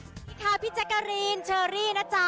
สวัสดีค่ะพี่แจ๊กกะรีนเชอรี่นะจ๊ะ